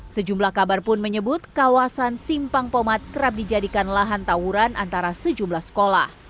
sejumlah kabar pun menyebut kawasan simpang pomat kerap dijadikan lahan tawuran antara sejumlah sekolah